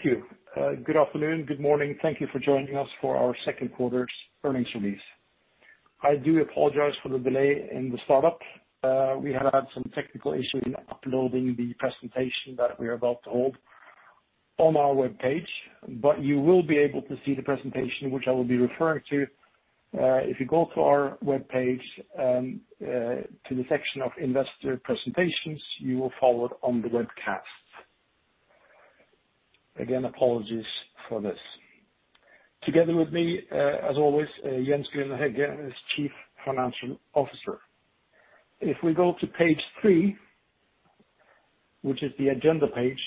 Thank you. Good afternoon, good morning. Thank you for joining us for our second quarter's earnings release. I do apologize for the delay in the startup. We have had some technical issues in uploading the presentation that we are about to hold on our webpage, but you will be able to see the presentation, which I will be referring to. If you go to our webpage, to the section of investor presentations, you will follow it on the webcast. Again, apologies for this. Together with me, as always, Jens Grüner-Hegge as Chief Financial Officer. If we go to page three, which is the agenda page,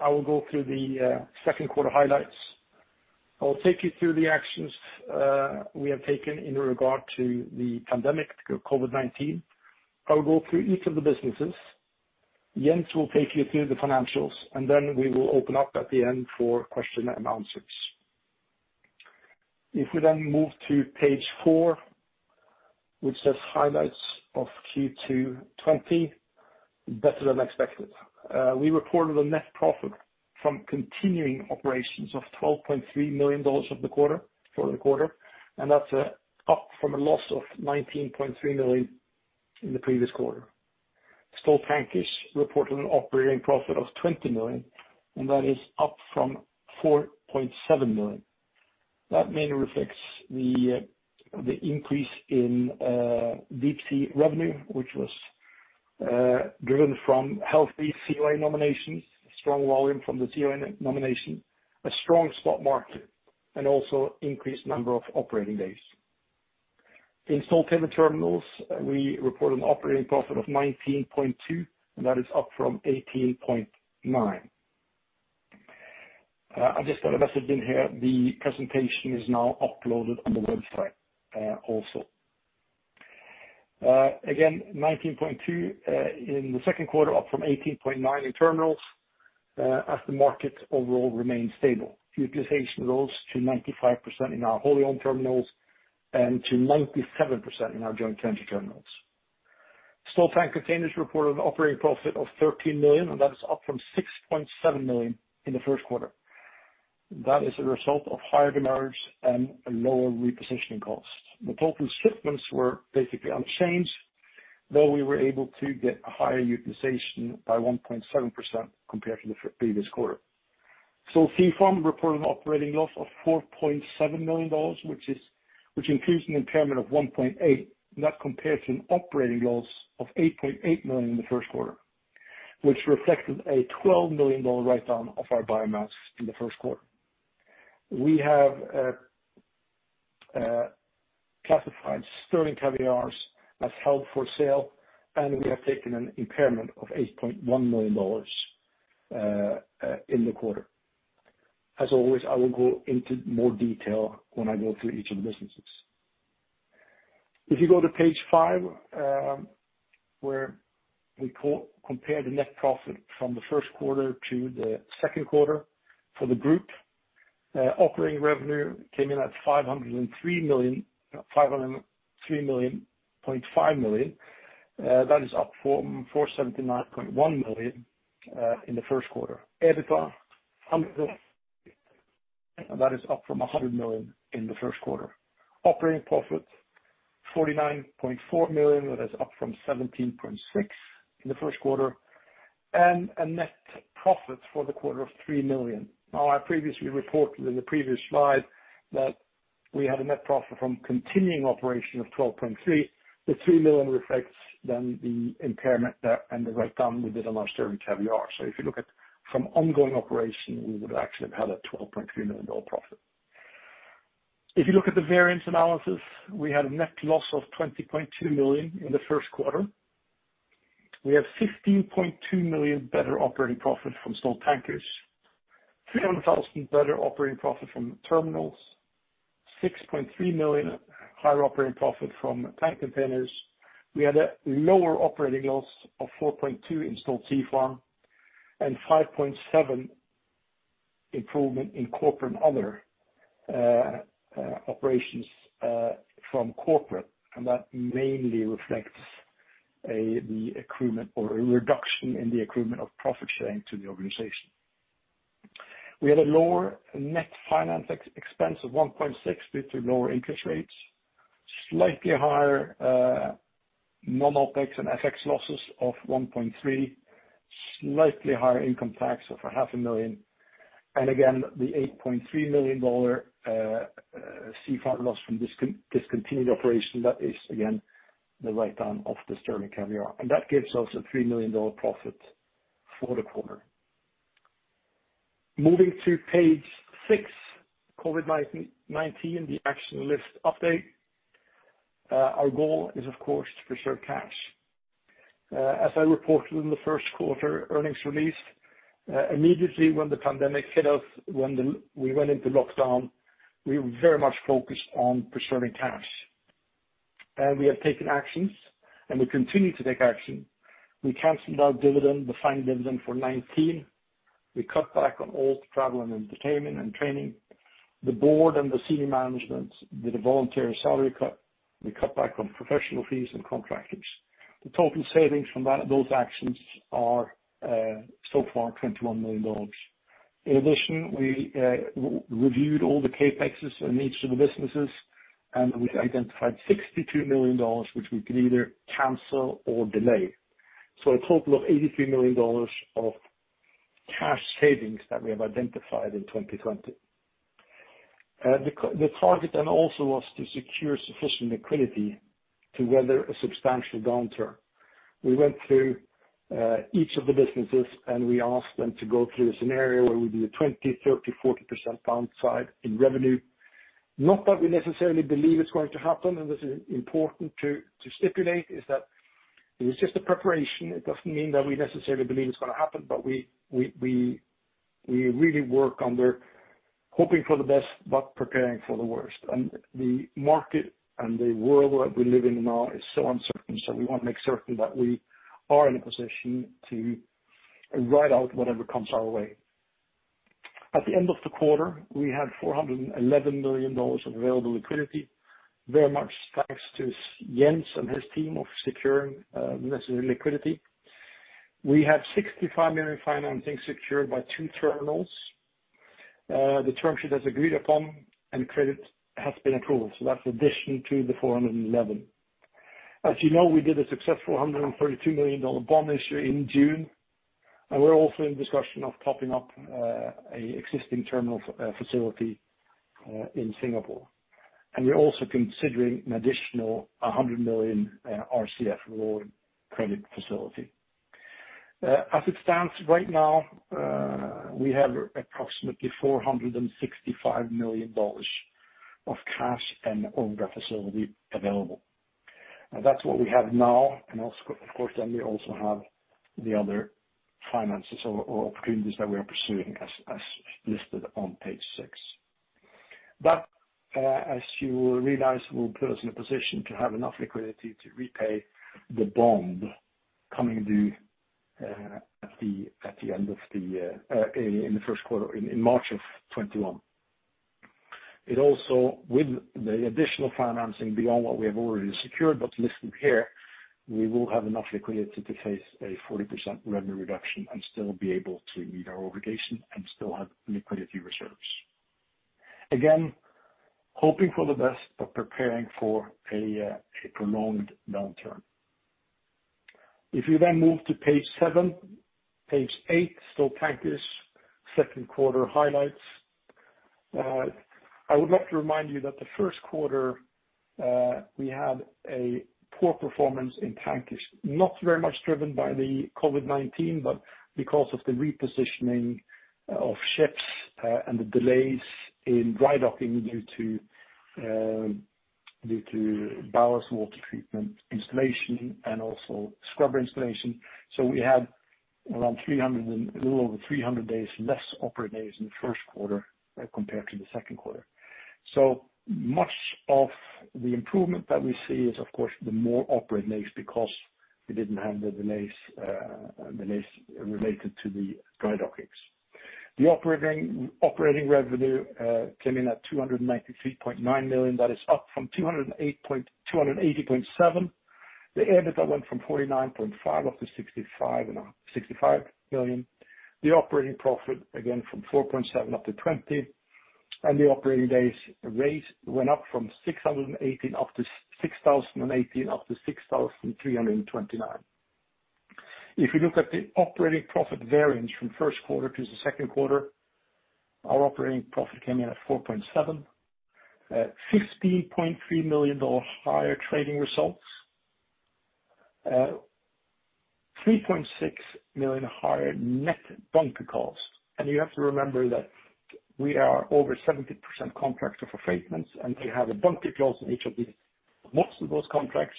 I will go through the second quarter highlights. I will take you through the actions we have taken in regard to the pandemic, COVID-19. I will go through each of the businesses. Jens will take you through the financials, and then we will open up at the end for question and answers. If we move to page four, which says highlights of Q2 2020, better than expected. We reported a net profit from continuing operations of $12.3 million for the quarter. That's up from a loss of $19.3 million in the previous quarter. Stolt Tankers reported an operating profit of $20 million. That is up from $4.7 million. That mainly reflects the increase in TC revenue, which was driven from healthy COA nominations, strong volume from the COA nomination, a strong spot market, and also increased number of operating days. In Stolthaven Terminals, we report an operating profit of $19.2 million. That is up from $18.9 million. I just got a message in here. The presentation is now uploaded on the website also. Again, 19.2 in the second quarter, up from 18.9 in Stolthaven Terminals, as the market overall remained stable. Utilization rose to 95% in our wholly-owned terminals and to 97% in our joint venture terminals. Stolt Tank Containers reported an operating profit of $13 million, and that is up from $6.7 million in the first quarter. That is a result of higher demand and lower repositioning costs. The total shipments were basically unchanged, though we were able to get a higher utilization by 1.7% compared to the previous quarter. Stolt Sea Farm reported an operating loss of $4.7 million, which includes an impairment of $1.8 million, and that compares to an operating loss of $8.8 million in the first quarter, which reflected a $12 million write-down of our biomass in the first quarter. We have classified Sterling Caviar as held for sale, we have taken an impairment of $8.1 million in the quarter. As always, I will go into more detail when I go through each of the businesses. If you go to page five, where we compare the net profit from the first quarter to the second quarter for the group. Operating revenue came in at $503.5 million. That is up from $479.1 million in the first quarter. EBITDA, $100, that is up from $100 million in the first quarter. Operating profit, $49.4 million, that is up from $17.6 million in the first quarter. A net profit for the quarter of $3 million. Now, I previously reported in the previous slide that we had a net profit from continuing operation of $12.3 million. The $3 million reflects then the impairment there and the write-down we did on our Sterling Caviar. If you look at from ongoing operations, we would have actually had a $12.3 million profit. If you look at the variance analysis, we had a net loss of $20.2 million in the first quarter. We have $15.2 million better operating profit from Stolt Tankers, $300,000 better operating profit from Stolthaven Terminals, $6.3 million higher operating profit from Stolt Tank Containers. We had a lower operating loss of $4.2 million in Stolt Sea Farm, and $5.7 million improvement in corporate and other operations, and that mainly reflects a reduction in the accrual of profit sharing to the organization. We had a lower net finance expense of $1.6 million due to lower interest rates, slightly higher non-OpEx and FX losses of $1.3 million, slightly higher income tax of half a million, and again, the $8.3 million Stolt Sea Farm loss from discontinued operations. That is again, the write-down of the Sterling Caviar, and that gives us a $3 million profit for the quarter. Moving to page six, COVID-19, the action list update. Our goal is, of course, to preserve cash. As I reported in the first quarter earnings release, immediately when the pandemic hit us, when we went into lockdown, we very much focused on preserving cash. We have taken actions and we continue to take action. We canceled our dividend, the final dividend for 2019. We cut back on all travel and entertainment and training. The board and the senior management did a voluntary salary cut. We cut back on professional fees and contractors. The total savings from those actions are so far $21 million. In addition, we reviewed all the CapExes in each of the businesses, and we identified $62 million, which we can either cancel or delay. A total of $83 million of cash savings that we have identified in 2020. The target also was to secure sufficient liquidity to weather a substantial downturn. We went through each of the businesses, and we asked them to go through a scenario where we do 20%, 30%, 40% downside in revenue. Not that we necessarily believe it's going to happen, and this is important to stipulate, is that it is just a preparation. It doesn't mean that we necessarily believe it's going to happen. We really work under hoping for the best, but preparing for the worst. The market and the world that we live in now is so uncertain. We want to make certain that we are in a position to ride out whatever comes our way. At the end of the quarter, we had $411 million of available liquidity, very much thanks to Jens and his team of securing necessary liquidity. We have $65 million financing secured by two terminals. The term sheet is agreed upon and credit has been approved, that's addition to the $411. As you know, we did a successful $132 million bond issue in June, we're also in discussion of topping up existing terminal facility in Singapore. We're also considering an additional $100 million RCF loan credit facility. As it stands right now, we have approximately $465 million of cash and undrawn facility available. That's what we have now, we also have the other finances or opportunities that we are pursuing as listed on page six. As you realize, it will put us in a position to have enough liquidity to repay the bond coming due in March of 2021. It also, with the additional financing beyond what we have already secured, but listed here, we will have enough liquidity to face a 40% revenue reduction and still be able to meet our obligation and still have liquidity reserves. Hoping for the best, but preparing for a prolonged downturn. If you move to page seven, page eight, Stolt Tankers second quarter highlights. I would like to remind you that the first quarter, we had a poor performance in Tankers, not very much driven by the COVID-19, but because of the repositioning of ships, and the delays in dry docking due to ballast water treatment installation and also scrubber installation. We had a little over 300 days less operating days in the first quarter compared to the second quarter. Much of the improvement that we see is, of course, the more operating days because we didn't have the delays related to the dry dockings. The operating revenue came in at $293.9 million. That is up from $280.7. The EBITDA went from $49.5 up to $65 million. The operating profit again from $4.7 up to $20, the operating days rate went up from 6,018 up to 6,329. If you look at the operating profit variance from first quarter to the second quarter, our operating profit came in at $4.7 at $15.3 million higher trading results, $3.6 million higher net bunker costs. You have to remember that we are over 70% contracts of affreightments, and we have a bunker clause in most of those contracts.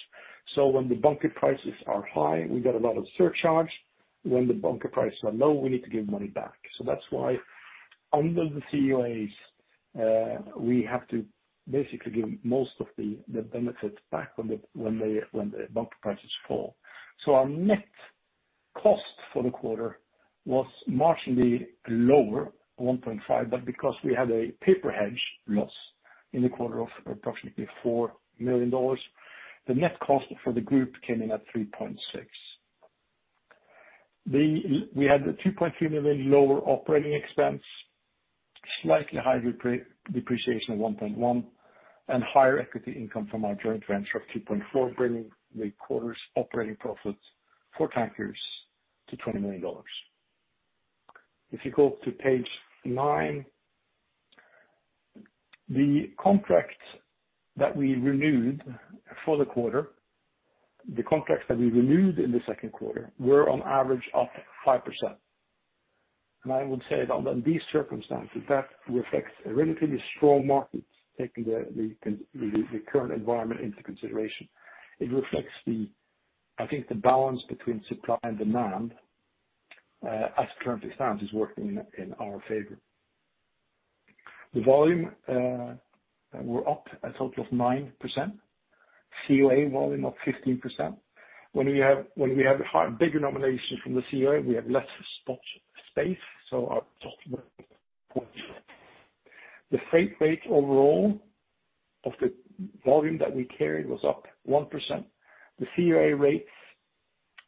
When the bunker prices are high, we get a lot of surcharge. When the bunker prices are low, we need to give money back. That's why under the COAs, we have to basically give most of the benefits back when the bunker prices fall. Our net cost for the quarter was marginally lower, $1.5 million, but because we had a paper hedge loss in the quarter of approximately $4 million, the net cost for the group came in at $3.6 million. We had a $2.3 million lower operating expense, slightly higher depreciation of $1.1 million, and higher equity income from our joint venture of $3.4 million, bringing the quarter's operating profit for Stolt Tankers to $20 million. If you go to page nine, the contracts that we renewed in the second quarter were on average up 5%. I would say under these circumstances, that reflects a relatively strong market taking the current environment into consideration. It reflects the balance between supply and demand, as it currently stands, is working in our favor. The volume were up a total of 9%. COA volume up 15%. When we have bigger nominations from the COA, we have lesser spot space. The freight rate overall of the volume that we carried was up 1%. The COA rates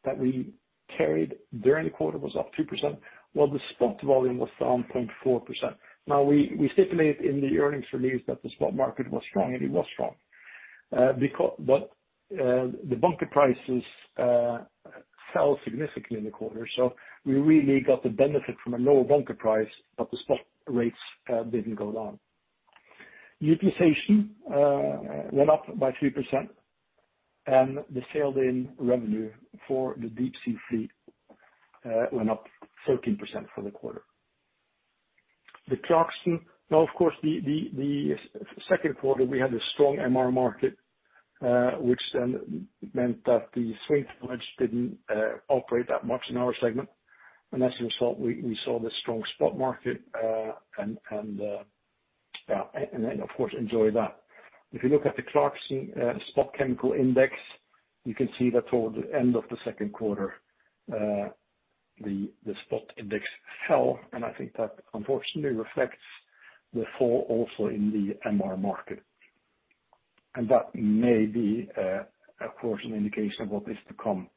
that we carried during the quarter was up 2%, while the spot volume was down 0.4%. We stated in the earnings release that the spot market was strong, and it was strong. The bunker prices fell significantly in the quarter. We really got the benefit from a lower bunker price, but the spot rates didn't go down. Utilization went up by 3% and the sailed-in revenue for the deepsea fleet went up 13% for the quarter. Of course, the second quarter, we had a strong MR market, which then meant that the swing tonnage didn't operate that much in our segment. As a result, we saw the strong spot market, of course, enjoyed that. If you look at the Clarksons Spot Chemical Index, you can see that toward the end of the second quarter, the spot index fell, I think that unfortunately reflects the fall also in the MR market. That may be, of course, an indication of what is to come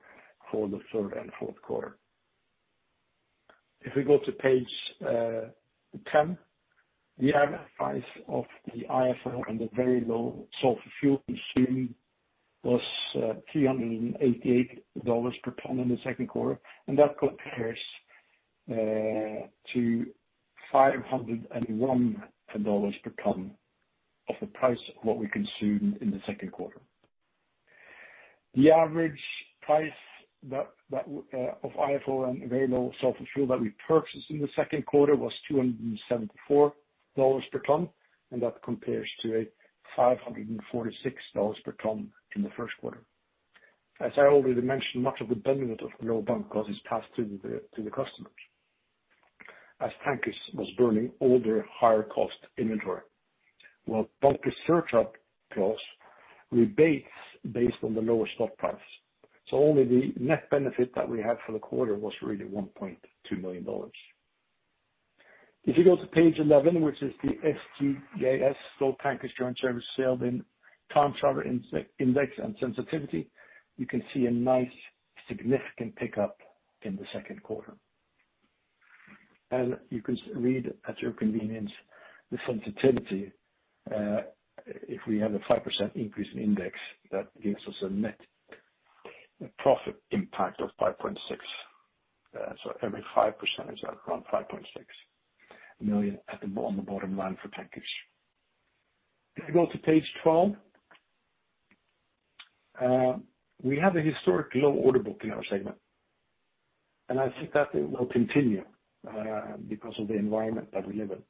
for the third and fourth quarter. If we go to page 10, the average price of the IFO and the very low sulfur fuel consumed was $388 per ton in the second quarter. That compares to $501 per ton of the price of what we consumed in the second quarter. The average price of IFO and very low sulfur fuel that we purchased in the second quarter was $274 per ton. That compares to $546 per ton in the first quarter. As I already mentioned, much of the benefit of low bunker cost is passed to the customers, as Stolt Tankers was burning older, higher cost inventory, while bunker surcharge clause rebates based on the lower spot price. Only the net benefit that we had for the quarter was really $1.2 million. If you go to page 11, which is the STJS, Stolt Tankers Joint Service sailed-in ton mileage index and sensitivity, you can see a nice significant pickup in the second quarter. You can read at your convenience the sensitivity. If we have a 5% increase in index, that gives us a net profit impact of $5.6. Every 5% is around $5.6 million on the bottom line for Tankers. If you go to page 12, we have a historic low order book in our segment, and I think that will continue because of the environment that we live in.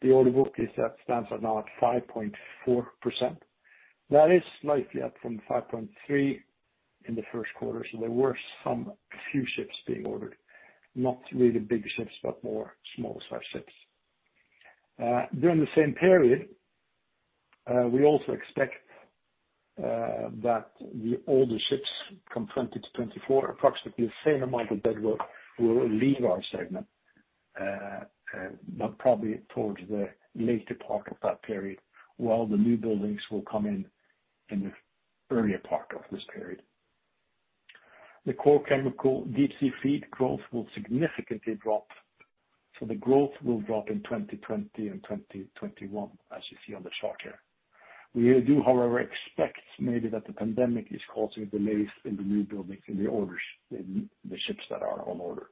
The order book stands at now at 5.4%. That is slightly up from 5.3% in the first quarter, there were some few ships being ordered. Not really big ships, but more small ships. During the same period, we also expect that the older ships from 2020 to 2024, approximately the same amount of deadweight will leave our segment, but probably towards the later part of that period, while the new buildings will come in in the earlier part of this period. The core chemical deep sea fleet growth will significantly drop. The growth will drop in 2020 and 2021, as you see on the chart here. We do, however, expect maybe that the pandemic is causing delays in the new buildings, in the orders, in the ships that are on order.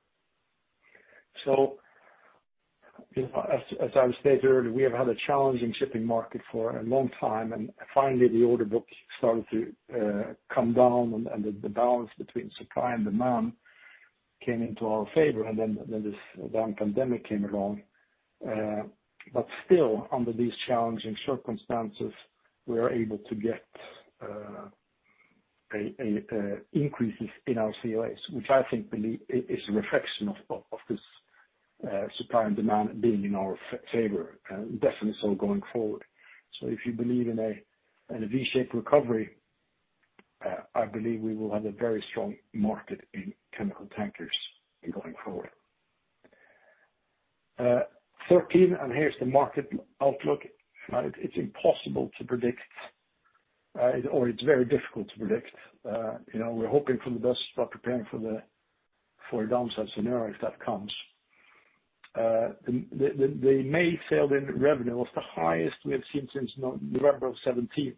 As I stated earlier, we have had a challenging shipping market for a long time, and finally the order book started to come down and the balance between supply and demand came into our favor, and then this damn pandemic came along. Still, under these challenging circumstances, we are able to get increases in our COAs, which I think is a reflection of this supply and demand being in our favor, and definitely so going forward. If you believe in a V-shaped recovery, I believe we will have a very strong market in chemical tankers going forward. 13, here is the market outlook. It's impossible to predict or it's very difficult to predict. We are hoping for the best, but preparing for a downside scenario, if that comes. The May sailed-in revenue was the highest we have seen since November of 2017,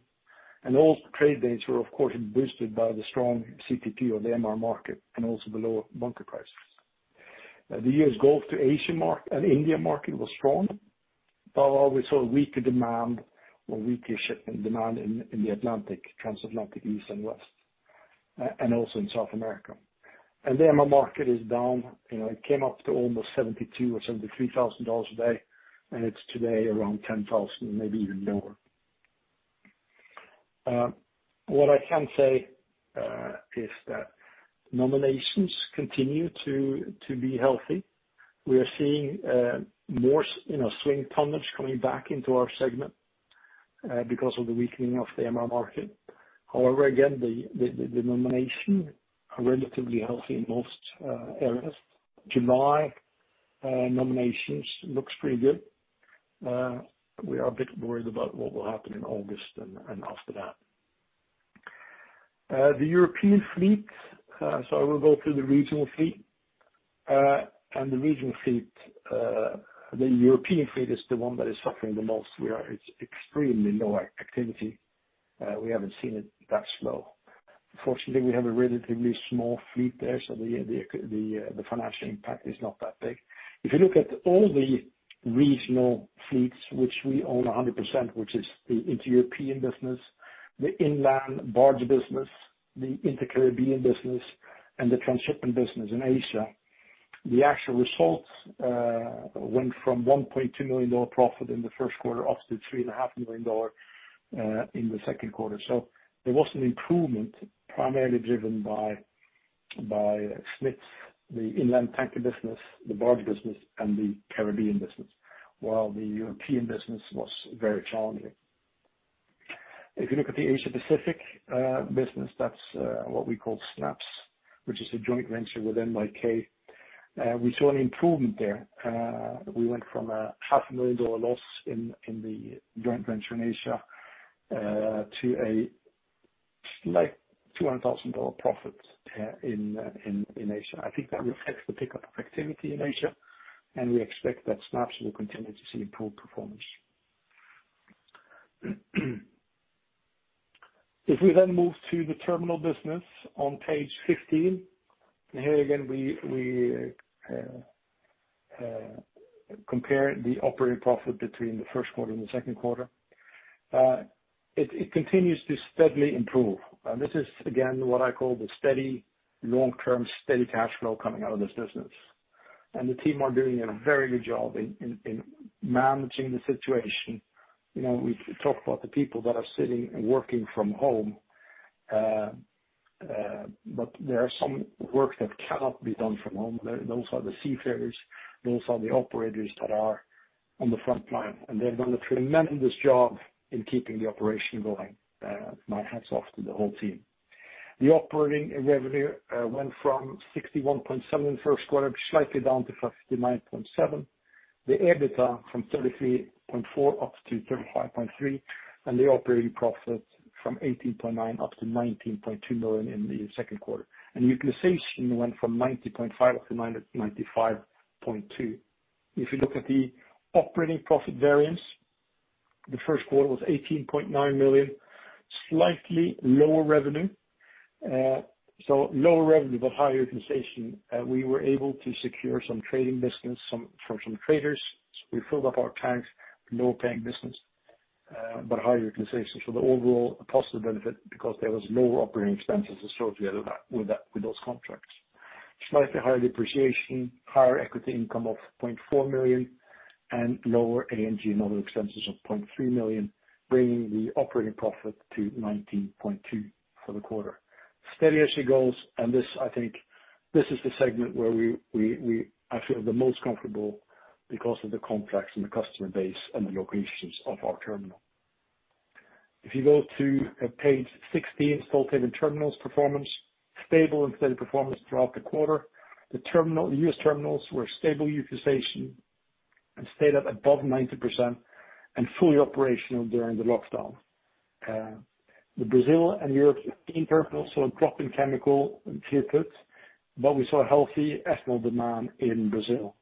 all freight rates were, of course, boosted by the strong CPP of the MR market and also the lower bunker prices. The US Gulf to Asia and India market was strong, but we saw weaker demand or weaker shipping demand in the Atlantic, transatlantic East and West, and also in South America. The MR market is down. It came up to almost $72 or $73,000 a day, and it's today around $10,000, maybe even lower. What I can say is that nominations continue to be healthy. We are seeing more swing tonnage coming back into our segment because of the weakening of the MR market. However, again, the nominations are relatively healthy in most areas. July nominations look pretty good. We are a bit worried about what will happen in August and after that. The European fleet. I will go through the regional fleet. The European fleet is the one that is suffering the most. It's extremely low activity. We haven't seen it that slow. Fortunately, we have a relatively small fleet there, so the financial impact is not that big. If you look at all the regional fleets, which we own 100%, which is the inter-European business, the inland barge business, the inter-Caribbean business, and the transshipment business in Asia, the actual results went from $1.2 million profit in the first quarter up to $3.5 million in the second quarter. There was an improvement primarily driven by SNITS, the inland tanker business, the barge business and the Caribbean business, while the European business was very challenging. If you look at the Asia Pacific business, that's what we call SNAPS, which is a joint venture with NYK. We saw an improvement there. We went from a half a million dollar loss in the joint venture in Asia, to a slight $200,000 profit in Asia. I think that reflects the pickup of activity in Asia. We expect that SNAPS will continue to see improved performance. If we move to the terminal business on page 15, here again, we compare the operating profit between the first quarter and the second quarter. It continues to steadily improve. This is again, what I call the steady, long-term, steady cash flow coming out of this business. The team are doing a very good job in managing the situation. We talk about the people that are sitting and working from home. There are some work that cannot be done from home. Those are the seafarers, those are the operators that are on the front line. They're doing a tremendous job in keeping the operation going. My hats off to the whole team. The operating revenue went from $ 61.7 million in the first quarter, slightly down to $59.7 million. The EBITDA from $33.4 up to $35.3, operating profit from $18.9 up to $19.2 million in the second quarter. Utilization went from 90.5% up to 95.2%. If you look at the operating profit variance, the first quarter was $18.9 million, slightly lower revenue. Lower revenue, but higher utilization. We were able to secure some trading business from some traders. We filled up our tanks with lower-paying business, but higher utilization. The overall positive benefit because there was lower operating expenses associated with those contracts. Slightly higher depreciation, higher equity income of $0.4 million, lower A&G and other expenses of $0.3 million, bringing the operating profit to $19.2 million for the quarter. Steady as she goes. This, I think this is the segment where I feel the most comfortable because of the contracts and the customer base and the locations of our terminal. If you go to page sixteen, Stolt-Nielsen Terminals performance. Stable and steady performance throughout the quarter. The U.S. terminals were stable utilization and stayed up above 90% and fully operational during the lockdown. The Brazil and European terminals saw a drop in chemical throughput, we saw healthy ethanol demand in Brazil.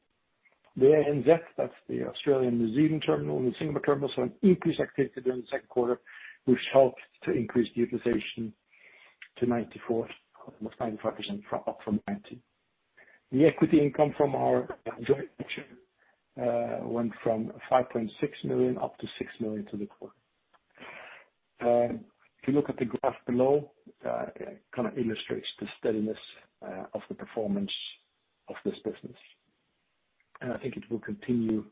The ANZ, that's the Australian and New Zealand terminal and Singapore terminal, saw an increased activity during the second quarter, which helped to increase the utilization to 94%, almost 95% up from 90%. The equity income from our joint venture went from $5.6 million up to $6 million through the quarter. If you look at the graph below, it kind of illustrates the steadiness of the performance of this business. I think it will continue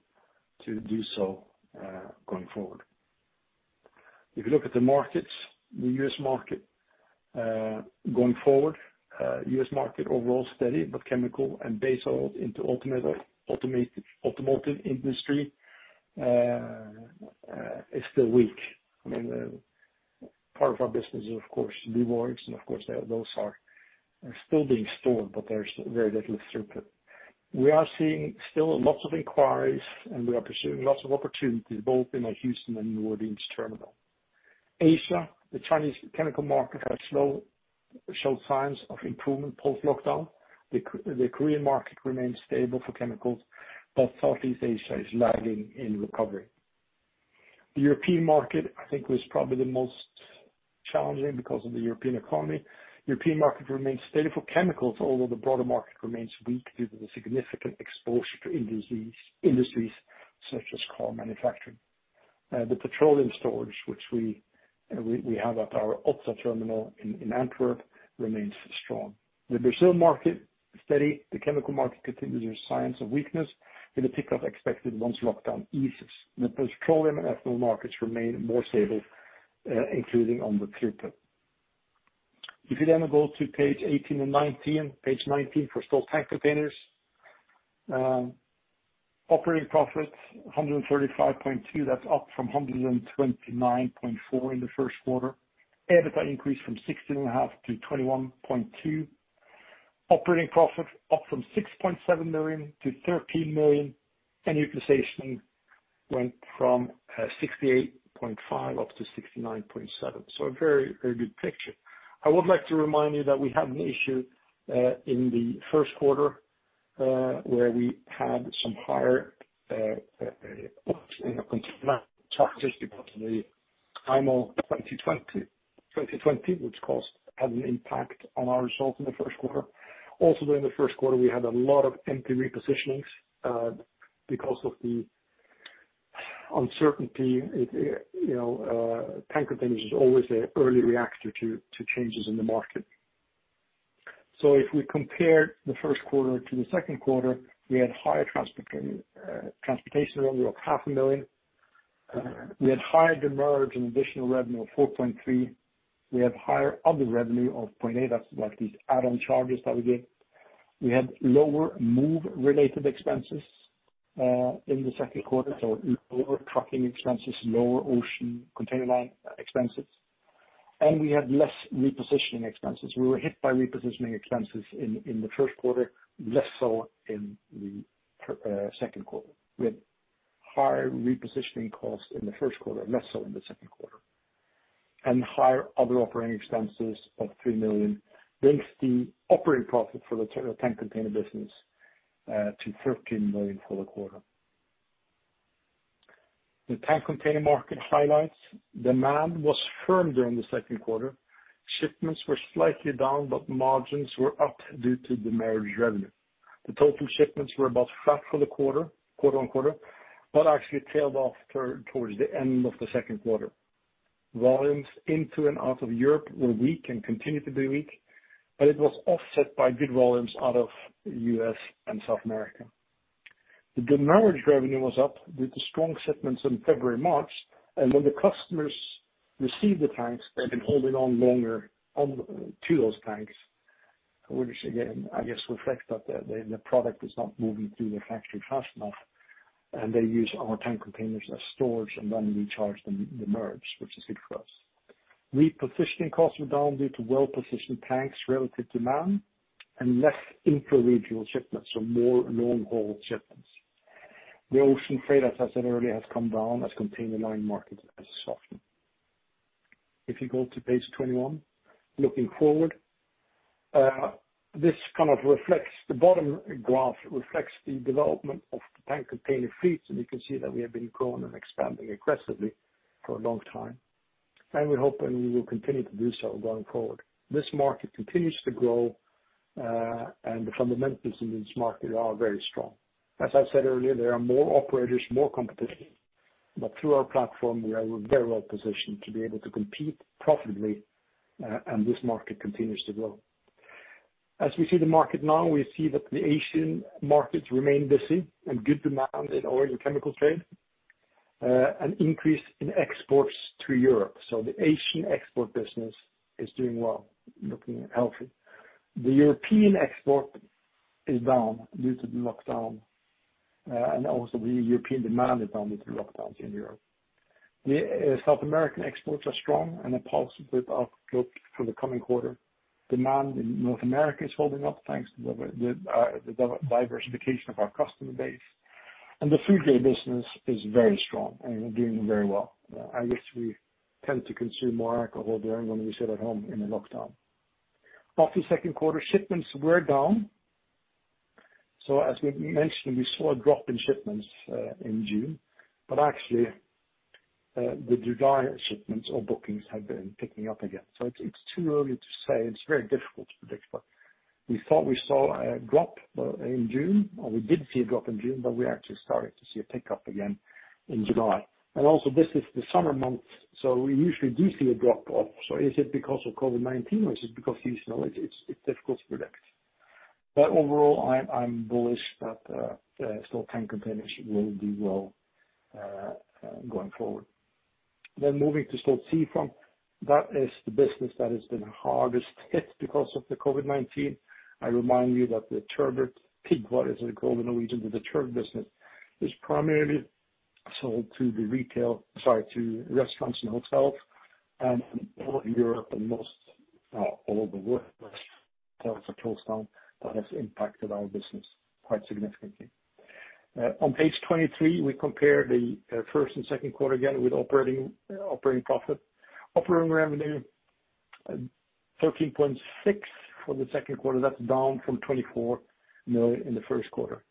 to do so going forward. If you look at the markets, the U.S. market, going forward, U.S. market overall steady, but chemical and base oil into automotive industry is still weak. Part of our business is, of course, vegoil, and of course those are still being stored, but there's very little throughput. We are seeing still lots of inquiries and we are pursuing lots of opportunities both in our Houston and New Orleans terminal. Asia. The Chinese chemical market showed signs of improvement post-lockdown. The Korean market remains stable for chemicals, but Southeast Asia is lagging in recovery. The European market, I think, was probably the most challenging because of the European economy. European market remains steady for chemicals, although the broader market remains weak due to the significant exposure to industries such as car manufacturing. The petroleum storage, which we have at our Antwerp terminal in Antwerp, remains strong. The Brazil market is steady. The chemical market continues their signs of weakness, with a pickup expected once lockdown eases. The petroleum and ethanol markets remain more stable, including on the through-put. If you then go to page 18 and 19, page 19 for Stolt Tank Containers. Operating profit $135.2 million, that's up from $129.4 million in the first quarter. EBITDA increased from $16.5 million to $21.2 million. Operating profit up from $6.7 million to $13 million, and utilization went from 68.5% up to 69.7%. A very good picture. I would like to remind you that we had an issue in the first quarter, where we had some higher costs in IMO 2020, which had an impact on our results in the first quarter. During the first quarter, we had a lot of empty repositionings because of the uncertainty. Tank containers is always an early reactor to changes in the market. If we compare the first quarter to the second quarter, we had higher transportation revenue up half a million. We had higher demurrage and additional revenue of $4.3. We had higher other revenue of $0.8. That's like these add-on charges that we get. We had lower move-related expenses, in the second quarter, so lower trucking expenses, lower ocean container line expenses. We had less repositioning expenses. We were hit by repositioning expenses in the first quarter, less so in the second quarter. We had higher repositioning costs in the first quarter, less so in the second quarter. Higher other operating expenses of $3 million brings the operating profit for the tank container business to $13 million for the quarter. The tank container market highlights. Demand was firm during the second quarter. Shipments were slightly down, but margins were up due to demurrage revenue. The total shipments were about flat for the quarter-on-quarter, but actually tailed off towards the end of the second quarter. Volumes into and out of Europe were weak and continue to be weak, but it was offset by good volumes out of U.S. and South America. The demurrage revenue was up due to strong shipments in February, March, and when the customers received the tanks, they've been holding on longer to those tanks, which again, I guess reflects that the product is not moving through the factory fast enough, and they use our tank containers as storage, and then we charge them demurrage, which is good for us. Repositioning costs were down due to well-positioned tanks relative to demand and less intra-regional shipments or more long-haul shipments. The ocean freight, as I said earlier, has come down as container line markets has softened. If you go to page 21, looking forward. The bottom graph reflects the development of the tank container fleets, and you can see that we have been growing and expanding aggressively for a long time. We hope and we will continue to do so going forward. This market continues to grow. The fundamentals in this market are very strong. As I said earlier, there are more operators, more competition. Through our platform, we are very well positioned to be able to compete profitably. This market continues to grow. As we see the market now, we see that the Asian markets remain busy and good demand in oil and chemical trade, an increase in exports to Europe. The Asian export business is doing well, looking healthy. The European export is down due to the lockdown. Also the European demand is down due to lockdowns in Europe. The South American exports are strong. A positive outlook for the coming quarter. Demand in North America is holding up thanks to the diversification of our customer base. The food grade business is very strong and doing very well. I guess we tend to consume more alcohol there when we sit at home in a lockdown. After second quarter, shipments were down. As we mentioned, we saw a drop in shipments in June. Actually, the July shipments or bookings have been picking up again. It's too early to say. It's very difficult to predict, but we thought we saw a drop in June, or we did see a drop in June, but we actually started to see a pickup again in July. Also, this is the summer months, so we usually do see a drop off. Is it because of COVID-19 or is it because of seasonality? It's difficult to predict. Overall, I'm bullish that Stolt Tank Containers will do well going forward. Moving to Stolt Sea Farm, that is the business that has been hardest hit because of the COVID-19. I remind you that the turbot, what is it called in Norwegian? The turbot business is primarily sold to restaurants and hotels, and all of Europe and most, all over the world hotels are closed down. That has impacted our business quite significantly. On page 23, we compare the first and second quarter again with operating profit. Operating revenue, $13.6 for the second quarter. That's down from $24 million in the first quarter.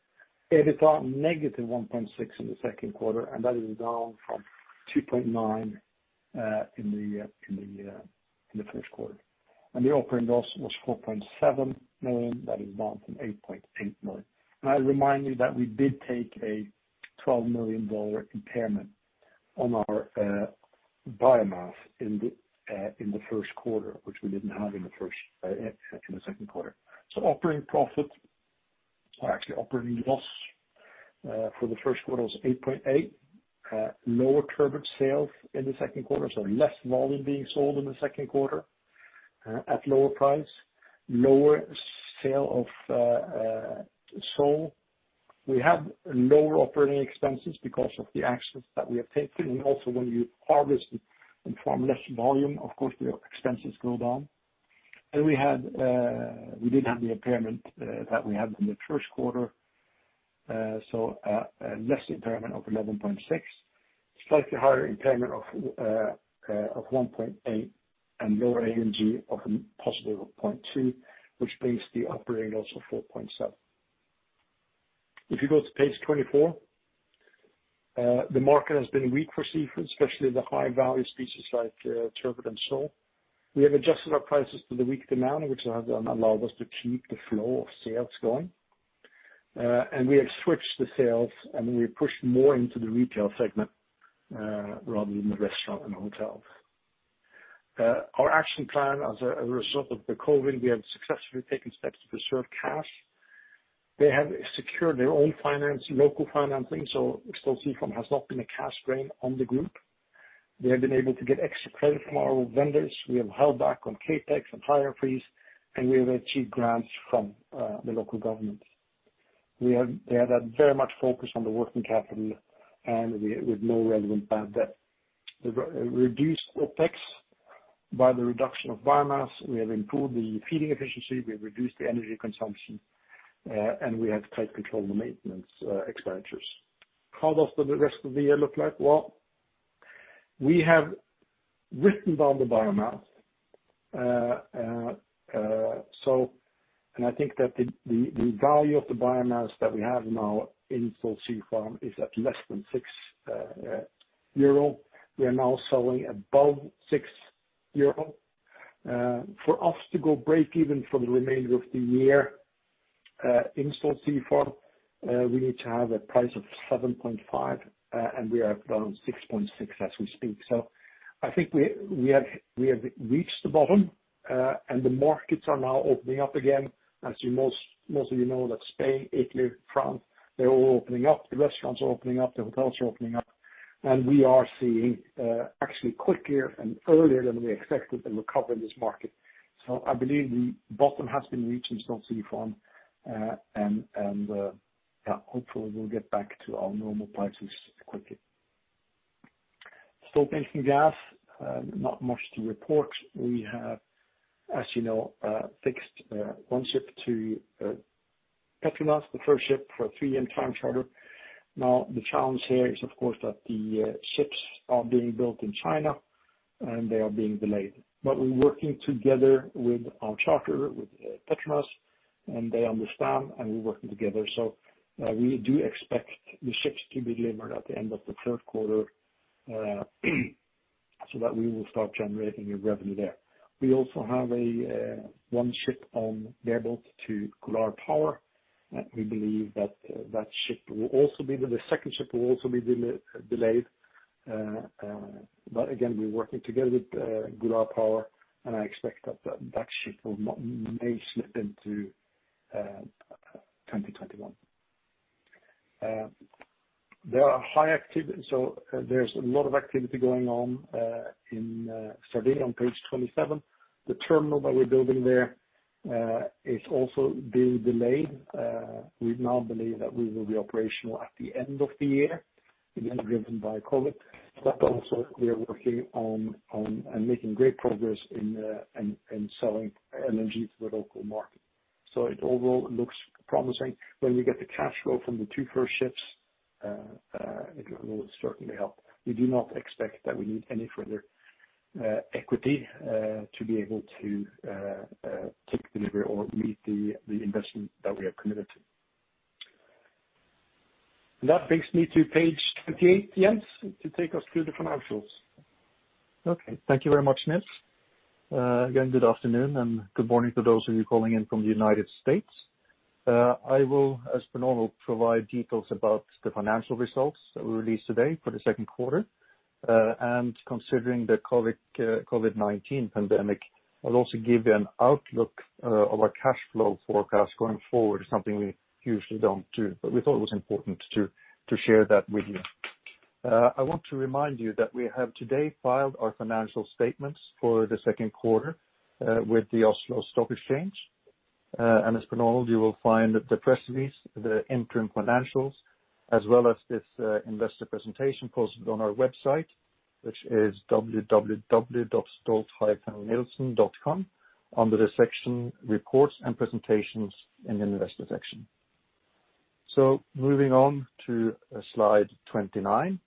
EBITDA negative $1.6 in the second quarter, that is down from $2.9 in the first quarter. The operating loss was $4.7 million, that is down from $8.8 million. I remind you that we did take a $12 million impairment on our biomass in the first quarter, which we didn't have in the second quarter. Operating loss for the first quarter was $8.8. Lower turbot sales in the second quarter, so less volume being sold in the second quarter at lower price. Lower sale of sole. We had lower operating expenses because of the actions that we have taken. Also when you harvest and farm less volume, of course, your expenses go down. We didn't have the impairment that we had in the first quarter. Less impairment of $11.6, slightly higher impairment of $1.8 and lower LNG of possible $0.2, which brings the operating loss of $4.7. If you go to page 24, the market has been weak for seafood, especially the high-value species like turbot and sole. We have adjusted our prices to the weak demand, which has allowed us to keep the flow of sales going. We have switched the sales, and we have pushed more into the retail segment, rather than the restaurant and hotels. Our action plan as a result of the COVID-19, we have successfully taken steps to preserve cash. They have secured their own finance, local financing. Stolt Sea Farm has not been a cash drain on the group. They have been able to get extra credit from our vendors. We have held back on CapEx and hire freeze. We have achieved grants from the local government. They had a very much focus on the working capital with no relevant bad debt. They've reduced OpEx by the reduction of biomass. We have improved the feeding efficiency. We have reduced the energy consumption. We have tight control on the maintenance expenditures. How does the rest of the year look like? Well, we have written down the biomass. I think that the value of the biomass that we have now in Stolt Sea Farm is at less than 6 euro. We are now selling above 6 euro. For us to go break even for the remainder of the year in Stolt Sea Farm we need to have a price of 7.5, and we are around 6.6 as we speak. I think we have reached the bottom, and the markets are now opening up again. As most of you know that Spain, Italy, France, they're all opening up. The restaurants are opening up, the hotels are opening up, and we are seeing actually quicker and earlier than we expected the recovery in this market. I believe the bottom has been reached in Stolt Sea Farm and, yeah, hopefully we'll get back to our normal prices quickly. Stolt Tankers Gas, not much to report. We have, as you know, fixed one ship to PETRONAS, the first ship for a three-year time charter. The challenge here is, of course, that the ships are being built in China, and they are being delayed. We're working together with our charterer, with PETRONAS, and they understand, and we're working together. We do expect the ships to be delivered at the end of the third quarter, so that we will start generating a revenue there. We also have one ship on bareboat to Golar LNG, and we believe that ship will also be delayed. Again, we're working together with Golar LNG, and I expect that ship may slip into 2021. There's a lot of activity going on in Sardinia on page 27. The terminal that we're building there is also being delayed. We now believe that we will be operational at the end of the year. Driven by COVID-19, also we are working on and making great progress in selling energy to the local market. It overall looks promising. When we get the cash flow from the two first ships it will certainly help. We do not expect that we need any further equity to be able to take delivery or meet the investment that we have committed to. That brings me to page 28. Jens, to take us through the financials. Okay. Thank you very much, Niels. Again, good afternoon and good morning to those of you calling in from the U.S. I will, as per normal, provide details about the financial results that we released today for the second quarter. Considering the COVID-19 pandemic, I'll also give you an outlook of our cash flow forecast going forward. It's something we usually don't do, we thought it was important to share that with you. I want to remind you that we have today filed our financial statements for the second quarter with the Oslo Stock Exchange. As per normal, you will find the press release, the interim financials, as well as this investor presentation posted on our website, which is www.stolt-nielsen.com under the section Reports and Presentations in the Investor section. Moving on to slide 29.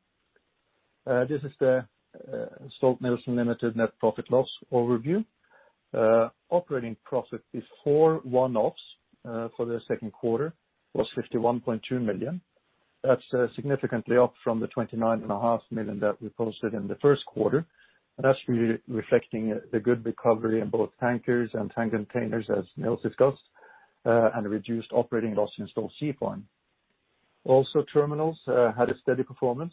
This is the Stolt-Nielsen Limited net profit loss overview. Operating profit before one-offs for the second quarter was $51.2 million. That's significantly up from the $29.5 million that we posted in the first quarter. That's really reflecting the good recovery in both Stolt Tankers and Stolt Tank Containers as Niels discussed, and a reduced operating loss in Stolt Sea Farm. Also Stolthaven Terminals had a steady performance,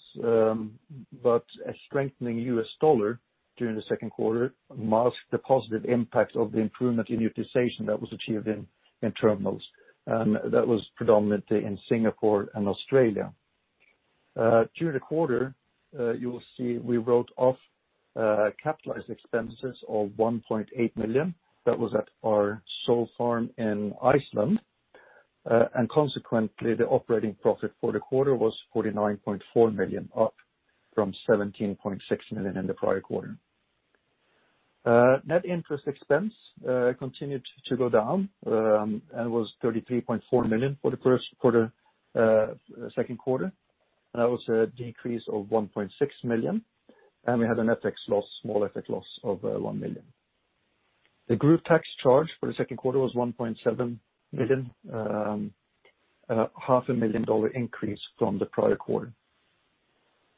but a strengthening U.S. dollar during the second quarter masked the positive impact of the improvement in utilization that was achieved in Stolthaven Terminals, and that was predominantly in Singapore and Australia. During the quarter, you will see we wrote off capitalized expenses of $1.8 million. That was at our sole farm in Iceland. Consequently, the operating profit for the quarter was $49.4 million, up from $17.6 million in the prior quarter. Net interest expense continued to go down, and was $33.4 million for the second quarter. That was a decrease of $1.6 million, and we had a small FX loss of $1 million. The group tax charge for the second quarter was $1.7 million, half a million dollar increase from the prior quarter.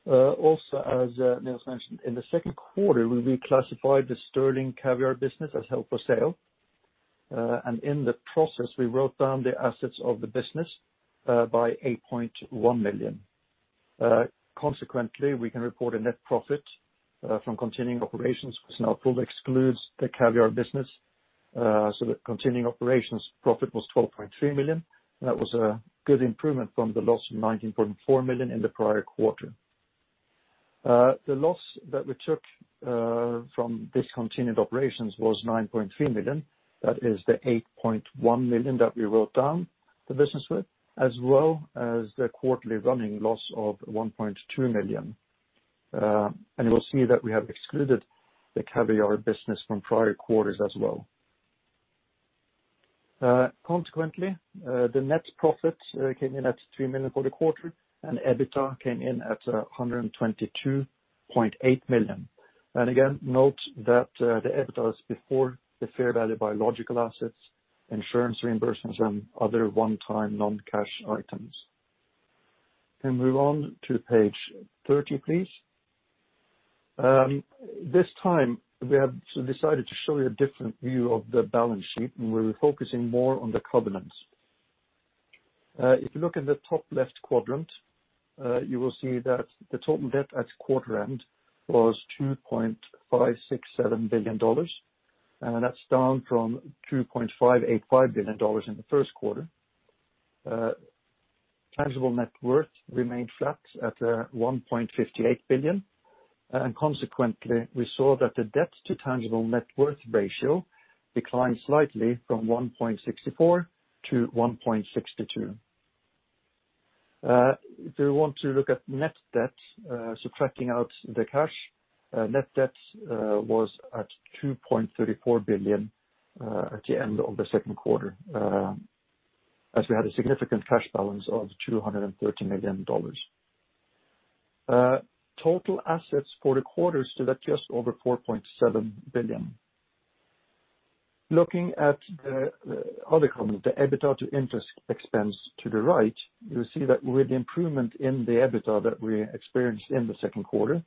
As Niels mentioned, in the second quarter, we reclassified the Sterling Caviar business as held for sale. In the process, we wrote down the assets of the business by $8.1 million. Consequently, we can report a net profit from continuing operations, which now fully excludes the caviar business. The continuing operations profit was $12.3 million, and that was a good improvement from the loss of $19.4 million in the prior quarter. The loss that we took from discontinued operations was $9.3 million. That is the $8.1 million that we wrote down the business with, as well as the quarterly running loss of $1.2 million. You will see that we have excluded the caviar business from prior quarters as well. Consequently, the net profit came in at $3 million for the quarter, EBITDA came in at $122.8 million. Again, note that the EBITDA is before the fair value biological assets, insurance reimbursements, and other one-time non-cash items. Can we move on to page 30, please? This time, we have decided to show you a different view of the balance sheet, and we'll be focusing more on the covenants. If you look in the top left quadrant, you will see that the total debt at quarter end was $2.567 billion, and that's down from $2.585 billion in the first quarter. Tangible net worth remained flat at $1.58 billion. Consequently, we saw that the debt to tangible net worth ratio declined slightly from 1.64 to 1.62. To look at net debt, subtracting out the cash, net debt was at $2.34 billion at the end of the second quarter as we had a significant cash balance of $230 million. Total assets for the quarter stood at just over $4.7 billion. Looking at the other column, the EBITDA to interest expense to the right, you will see that with the improvement in the EBITDA that we experienced in the second quarter,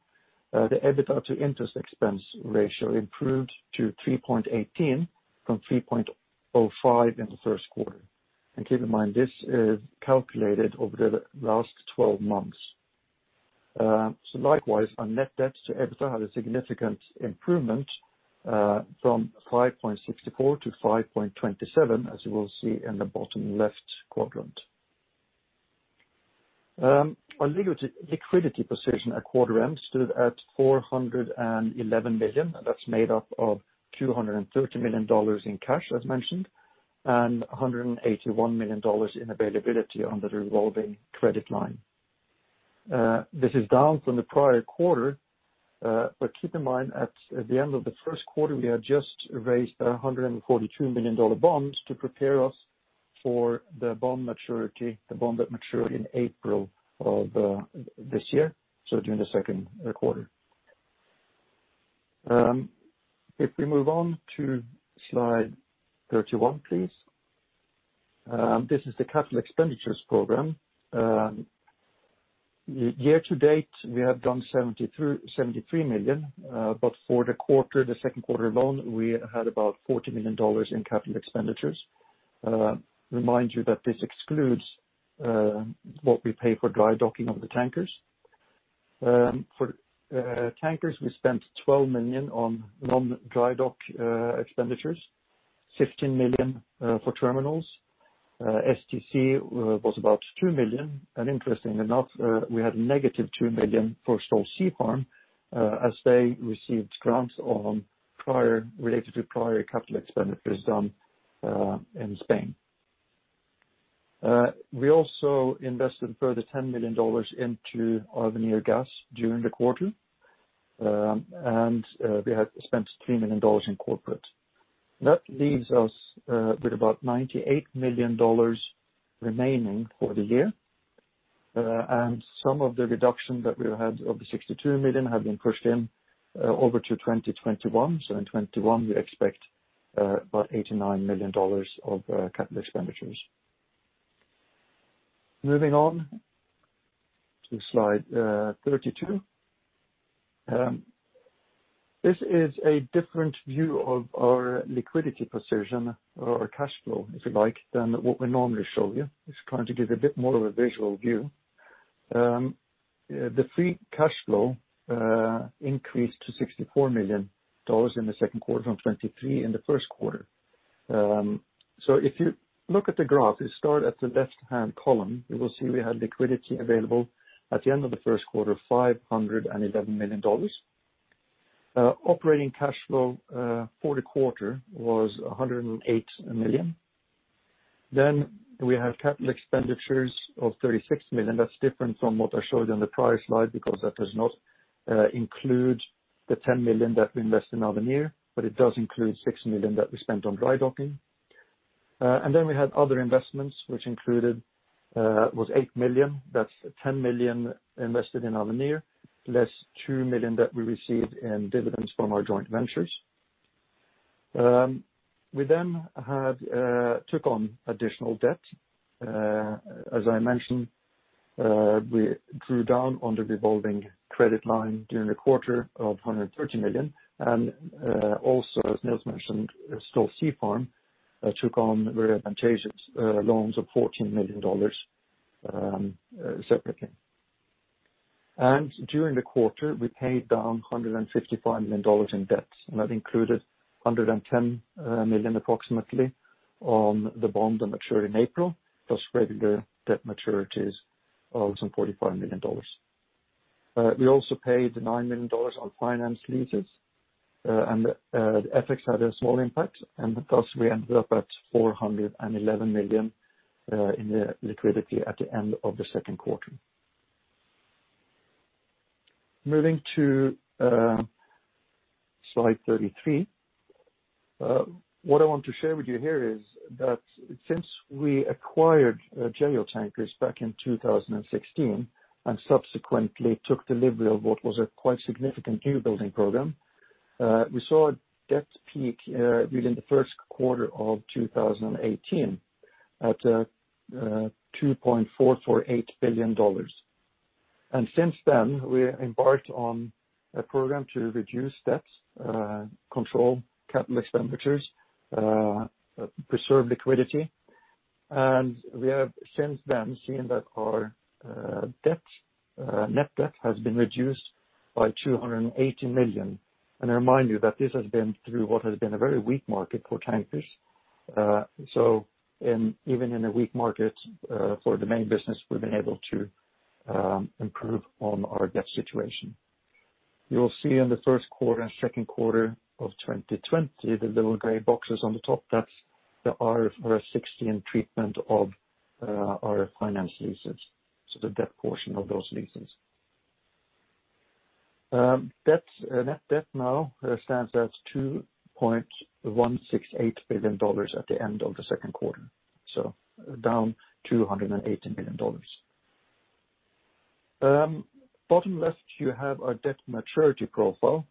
the EBITDA to interest expense ratio improved to 3.18 from 3.05 in the first quarter. Keep in mind, this is calculated over the last 12 months. Likewise, our net debt to EBITDA had a significant improvement from 5.64 to 5.27, as you will see in the bottom left quadrant. Our liquidity position at quarter end stood at $411 million. That's made up of $230 million in cash, as mentioned, and $181 million in availability under the revolving credit line. This is down from the prior quarter. Keep in mind, at the end of the first quarter, we had just raised a $142 million bonds to prepare us for the bond that matured in April of this year, so during the second quarter. We move on to slide 31, please. This is the capital expenditures program. Year to date, we have done $73 million. For the quarter, the second quarter alone, we had about $40 million in capital expenditures. Remind you that this excludes what we pay for dry docking of the tankers. For tankers, we spent $12 million on non-dry dock expenditures, $15 million for terminals. STC was about $2 million. Interestingly enough, we had negative $2 million for Stolt Sea Farm, as they received grants related to prior capital expenditures done in Spain. We also invested a further $10 million into our Avenir LNG during the quarter. We had spent $3 million in corporate. That leaves us with about $98 million remaining for the year. Some of the reduction that we had of the $62 million have been pushed in over to 2021. In 2021, we expect about $89 million of capital expenditures. Moving on to slide 32. This is a different view of our liquidity position or our cash flow, if you like, than what we normally show you. It's trying to give a bit more of a visual view. The free cash flow increased to $64 million in the second quarter from $23 million in the first quarter. If you look at the graph, you start at the left-hand column, you will see we had liquidity available at the end of the first quarter of $511 million. Operating cash flow for the quarter was $108 million. We have capital expenditures of $36 million. That's different from what I showed you on the prior slide because that does not include the $10 million that we invest in Avenir, but it does include $6 million that we spent on dry docking. We had other investments, which included, was $8 million. That's $10 million invested in Avenir, less $2 million that we received in dividends from our joint ventures. We took on additional debt. As I mentioned, we drew down on the revolving credit line during the quarter of $130 million. Also, as Niels mentioned, Stolt Sea Farm took on advantageous loans of $14 million separately. During the quarter, we paid down $155 million in debt, and that included $110 million approximately on the bond that matured in April, plus regular debt maturities of some $45 million. We also paid $9 million on finance leases, and FX had a small impact, and because we ended up at $411 million in the liquidity at the end of the second quarter. Moving to slide 33. What I want to share with you here is that since we acquired Jo Tankers back in 2016, and subsequently took delivery of what was a quite significant new building program, we saw a debt peak during the first quarter of 2018 at $2.448 billion. Since then, we embarked on a program to reduce debts, control capital expenditures, preserve liquidity, and we have since then seen that our net debt has been reduced by $280 million. I remind you that this has been through what has been a very weak market for tankers. Even in a weak market for the main business, we've been able to improve on our debt situation. You will see in the first quarter and second quarter of 2020, the little gray boxes on the top, that's the IFRS 16 treatment of our finance leases, so the debt portion of those leases. Net debt now stands at $2.168 billion at the end of the second quarter, so down $280 million. Bottom left, you have a debt maturity profile,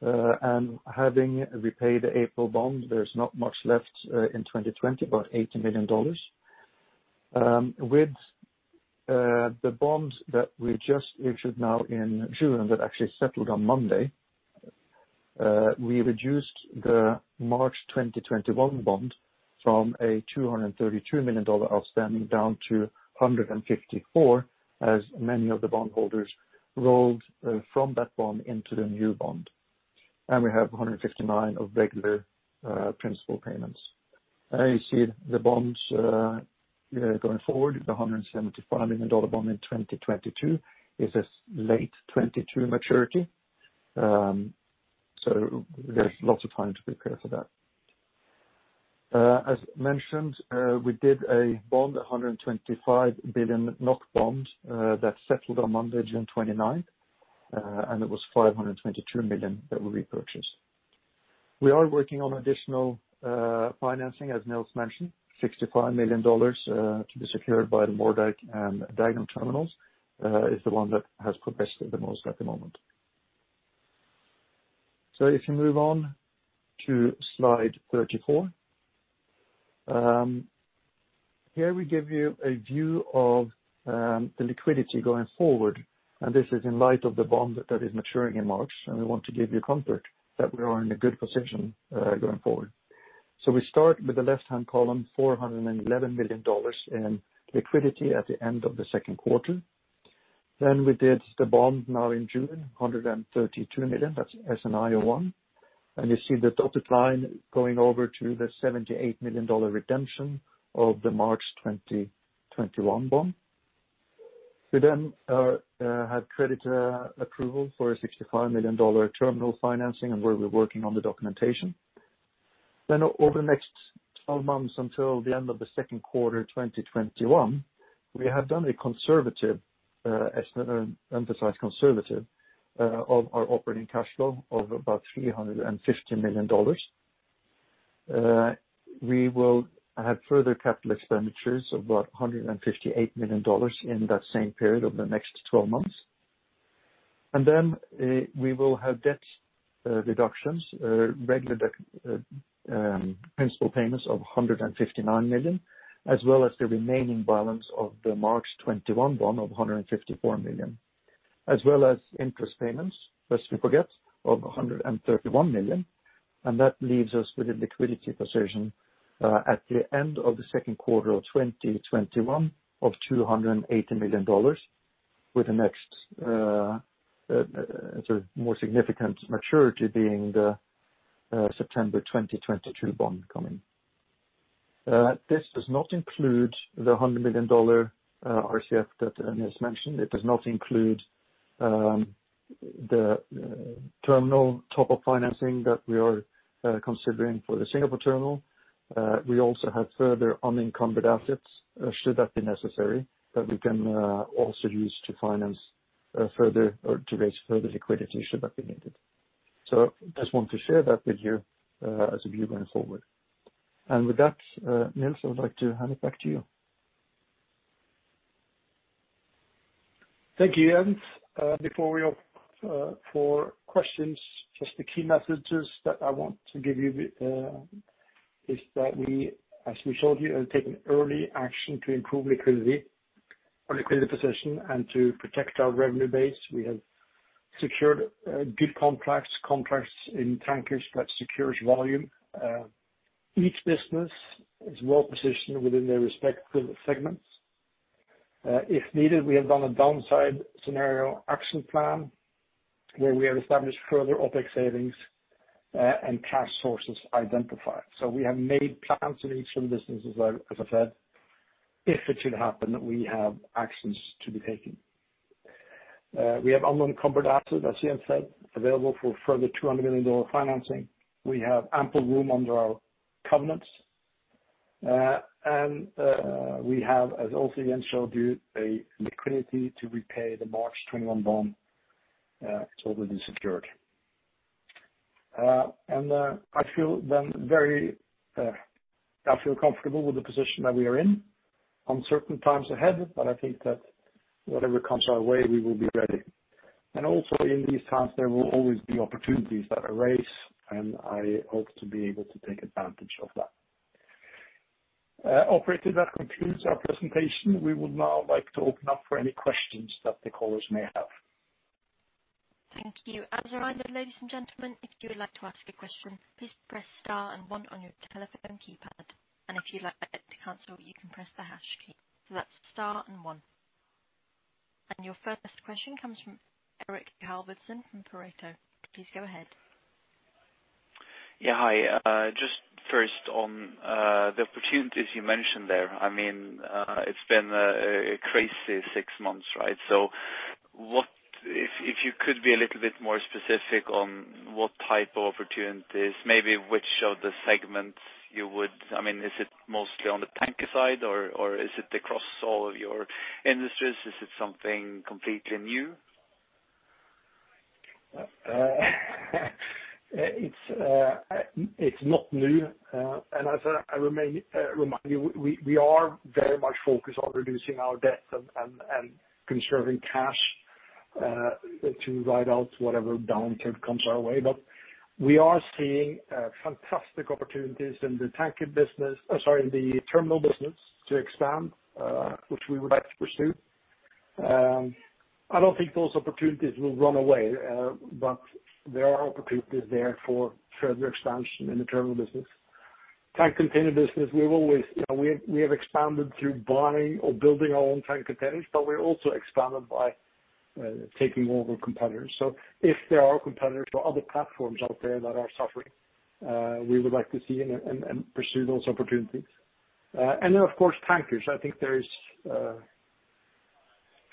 and having repaid the April bond, there's not much left in 2020, about $80 million. With the bonds that we just issued now in June that actually settled on Monday, we reduced the March 2021 bond from a $232 million outstanding down to $154 million, as many of the bond holders rolled from that bond into the new bond. We have $159 million of regular principal payments. You see the bonds going forward, the $175 million bond in 2022 is a late 2022 maturity. There's lots of time to prepare for that. As mentioned, we did a $1.25 billion bond that settled on Monday, June 29, and it was $522 million that we repurchased. We are working on additional financing, as Niels mentioned. $65 million to be secured by the Moerdijk and Dagenham terminals is the one that has progressed the most at the moment. If you move on to slide 34. Here we give you a view of the liquidity going forward, and this is in light of the bond that is maturing in March, and we want to give you comfort that we are in a good position going forward. We start with the left-hand column, $411 million in liquidity at the end of the second quarter. We did the bond now in June, $132 million. That's SNI01. You see the dotted line going over to the $78 million redemption of the March 2021 bond. We had credit approval for a $65 million terminal financing, and we'll be working on the documentation. Over the next 12 months until the end of the second quarter 2021, we have done a conservative, emphasize conservative, of our operating cash flow of about $350 million. We will have further capital expenditures of about $158 million in that same period over the next 12 months. We will have debt reductions, regular principal payments of $159 million, as well as the remaining balance of the March 2021 bond of $154 million, as well as interest payments, lest we forget, of $131 million. That leaves us with a liquidity position at the end of the second quarter of 2021 of $280 million, with the next more significant maturity being the September 2022 bond coming. This does not include the $100 million RCF that Jens mentioned. It does not include the terminal top-up financing that we are considering for the Singapore terminal. We also have further unencumbered assets, should that be necessary, that we can also use to finance further or to raise further liquidity should that be needed. Just want to share that with you as a view going forward. With that, Niels, I would like to hand it back to you. Thank you, Jens. Before we open the floor for questions, just the key messages that I want to give you is that we, as we showed you, have taken early action to improve liquidity position and to protect our revenue base. We have secured good contracts in tankers that secures volume. Each business is well positioned within their respective segments. If needed, we have done a downside scenario action plan, where we have established further OpEx savings and cash sources identified. We have made plans in each of the businesses, as I said, if it should happen, we have actions to be taken. We have unencumbered assets, as Jens said, available for further $200 million financing. We have ample room under our covenants. We have, as also Jens showed you, a liquidity to repay the March 2021 bond. It's already secured. I feel comfortable with the position that we are in. Uncertain times ahead, but I think that whatever comes our way, we will be ready. Also in these times, there will always be opportunities that arise, and I hope to be able to take advantage of that. Operator, that concludes our presentation. We would now like to open up for any questions that the callers may have. Thank you. As a reminder, ladies and gentlemen, if you would like to ask a question, please press star and one on your telephone keypad. If you'd like to cancel, you can press the hash key. That's star and one. Your first question comes from Erik Halvorsen from Pareto. Please go ahead. Yeah. Hi. Just first on the opportunities you mentioned there. It's been a crazy six months, right? If you could be a little bit more specific on what type of opportunities, maybe which of the segments? Is it mostly on the tanker side or is it across all of your industries? Is it something completely new? It's not new. As I remind you, we are very much focused on reducing our debt and conserving cash to ride out whatever downturn comes our way. We are seeing fantastic opportunities in the terminal business to expand which we would like to pursue. I don't think those opportunities will run away, but there are opportunities there for further expansion in the terminal business. Tank container business, we have expanded through buying or building our own tank containers, but we also expanded by taking over competitors. If there are competitors or other platforms out there that are suffering, we would like to see and pursue those opportunities. Of course, tankers. I think there is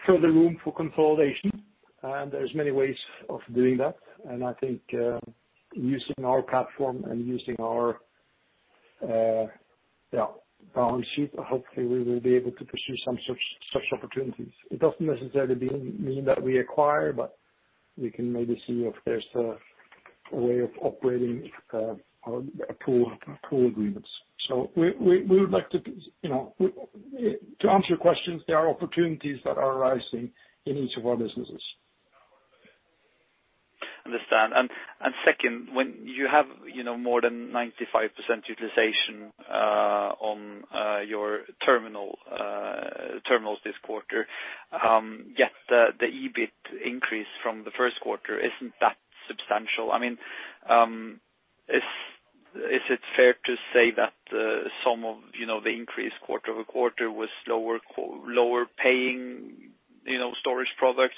further room for consolidation, and there's many ways of doing that. I think using our platform and using our balance sheet, hopefully we will be able to pursue some such opportunities. It doesn't necessarily mean that we acquire, but we can maybe see if there's a way of operating pool agreements. To answer your questions, there are opportunities that are arising in each of our businesses. Understand. Second, when you have more than 95% utilization on your terminals this quarter, yet the EBIT increase from the first quarter isn't that substantial. Is it fair to say that some of the increase quarter-over-quarter was lower paying storage products?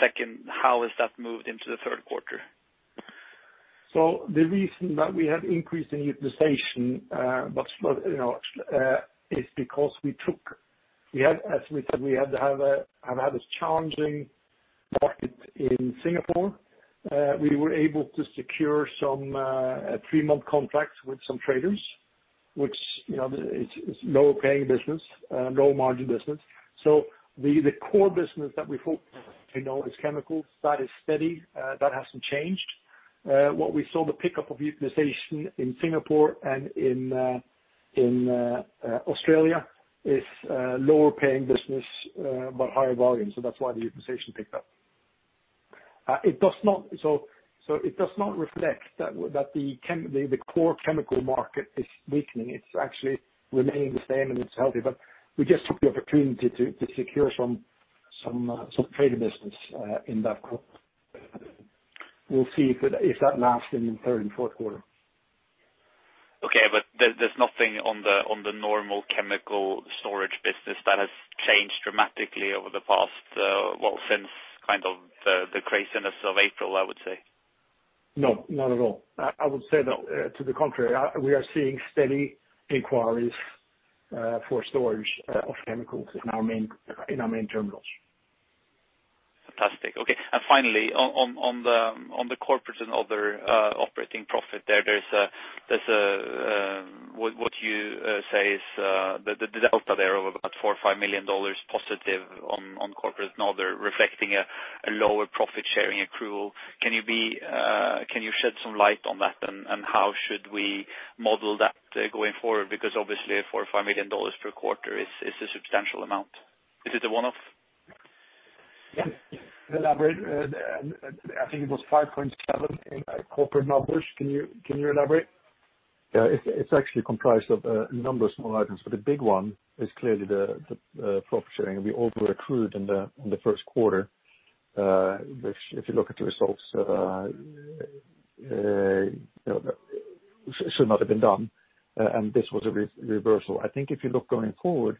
Second, how has that moved into the third quarter? The reason that we have increased in utilization is because we took. As we said, we have had this challenging market in Singapore. We were able to secure some three-month contracts with some traders, which is lower paying business, lower margin business. The core business that we focus on is chemicals. That is steady. That hasn't changed. What we saw the pickup of utilization in Singapore and in Australia is lower paying business but higher volume. That's why the utilization picked up. It does not reflect that the core chemical market is weakening. It's actually remaining the same and it's healthy. We just took the opportunity to secure some trade business in that group. We'll see if that lasts in the third and fourth quarter. Okay. There's nothing on the normal chemical storage business that has changed dramatically over the past, well, since the craziness of April, I would say. No, not at all. I would say that to the contrary, we are seeing steady inquiries for storage of chemicals in our main terminals. Fantastic. Okay. Finally, on the corporate and other operating profit, there is a, what you say is the delta there of about $4 million or $5 million positive on corporate now they are reflecting a lower profit sharing accrual. Can you shed some light on that and how should we model that going forward? Obviously, $4 million or $5 million per quarter is a substantial amount. Is it a one-off? Yeah. Elaborate. I think it was 5.7 in corporate numbers. Can you elaborate? Yeah, it's actually comprised of a number of small items, but the big one is clearly the profit sharing. We over-accrued in the first quarter, which if you look at the results, should not have been done and this was a reversal. I think if you look going forward,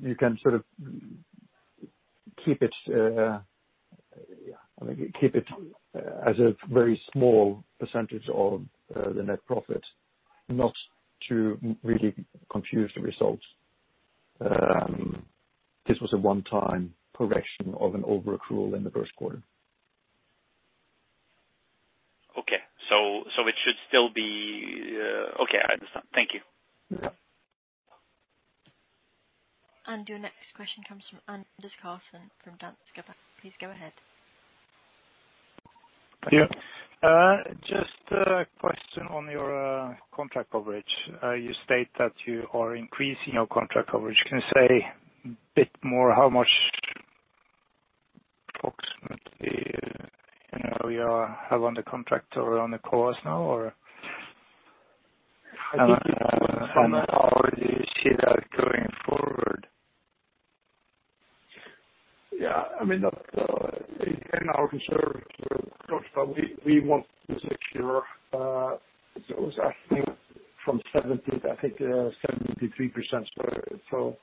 you can sort of keep it as a very small percentage of the net profit, not to really confuse the results. This was a one-time correction of an over-accrual in the first quarter. Okay. It should still be Okay, I understand. Thank you. Yeah. Your next question comes from Anders Karlsen from Danske Bank. Please go ahead. Thank you. Just a question on your contract coverage. You state that you are increasing your contract coverage. Can you say a bit more how much approximately you have on the contract or on the course now? I think it was- How do you see that going forward? Yeah, again, our insurance approach, but we want to secure, so it was I think from 70% to I think 73%, so